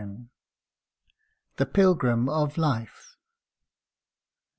195 THE PILGRIM OF LIFE.